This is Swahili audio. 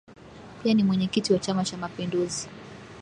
Pia ni Mwenyekiti wa Chama Cha Mapinduzi